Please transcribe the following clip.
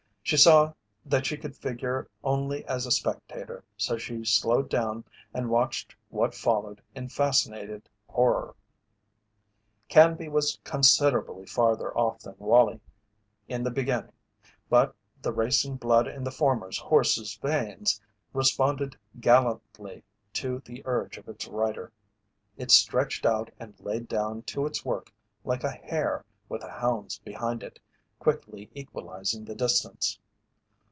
She saw that she could figure only as a spectator, so she slowed down and watched what followed in fascinated horror. Canby was considerably farther off than Wallie, in the beginning, but the racing blood in the former's horse's veins responded gallantly to the urge of its rider. It stretched out and laid down to its work like a hare with the hounds behind it, quickly equalizing the distance.